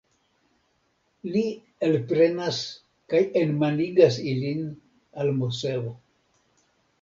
Li elprenas kaj enmanigas ilin al Moseo.